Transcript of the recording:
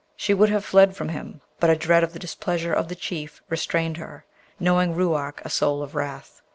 She would have fled from him, but a dread of the displeasure of the Chief restrained her, knowing Ruark a soul of wrath.